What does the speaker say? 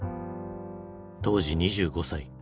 当時２５歳。